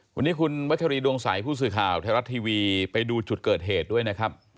วันนี้คุณวัชรีดวงใสผู้สื่อข่าวไทยรัฐทีวีไปดูจุดเกิดเหตุด้วยนะครับ